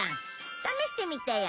試してみてよ。